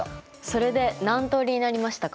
それで何通りになりましたか？